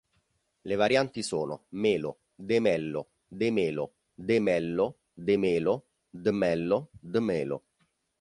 Le varianti sono Melo, de Mello, de Melo, De Mello, De Melo, D'Mello, D'Melo.